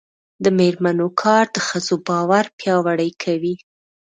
د میرمنو کار د ښځو باور پیاوړی کوي.